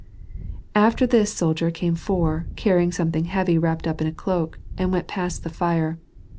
After this soldier came four, cariying something heavy wrapped up in a cloak, and went past the fire.